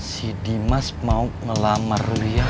si dimas mau ngelamar liat